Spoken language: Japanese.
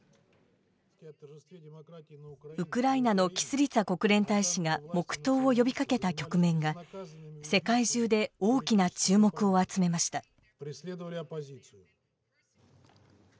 ウクライナのキスリツァ国連大使が黙とうを呼びかけた局面が世界中で大きな注目を集めました。